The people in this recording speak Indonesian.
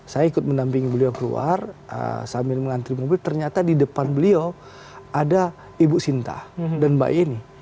saya ikut mendampingi beliau keluar sambil mengantri mobil ternyata di depan beliau ada ibu sinta dan mbak yeni